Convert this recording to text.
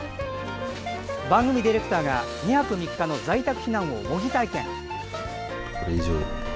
番組ディレクターが２泊３日の在宅避難を模擬体験。